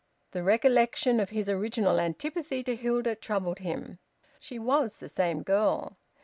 The recollection of his original antipathy to Hilda troubled him. She was the same girl.